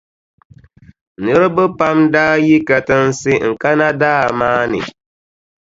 Niriba pam daa yi katinsi n-kana daa maa ni,